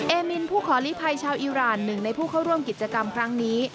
มินผู้ขอลีภัยชาวอิราณหนึ่งในผู้เข้าร่วมกิจกรรมครั้งนี้